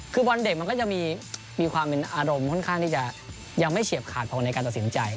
คือบอลเด็กมันก็จะมีความเป็นอารมณ์ค่อนข้างที่จะยังไม่เฉียบขาดพอในการตัดสินใจ